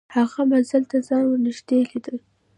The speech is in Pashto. هغې منزل ته ځان ور نږدې لیده